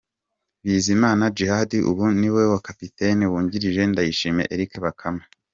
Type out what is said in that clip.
Bizimana Djihad ubu ni we kapiteni wungrije Ndayishimiye Eric Bakame.